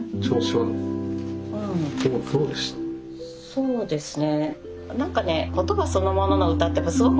そうですね。